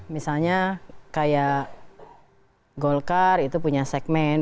misalnya kayak golkar itu punya segmen